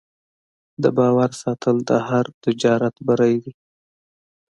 د باور ساتل د هر تجارت بری دی.